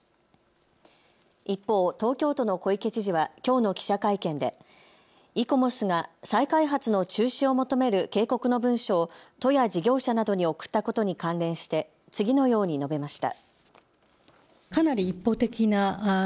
一方、東京都の小池知事はきょうの記者会見でイコモスが再開発の中止を求める警告の文書を都や事業者などに送ったことに関連して次のように述べました。